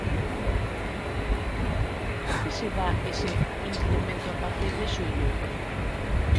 Por que se dá ese incremento a partir de xullo?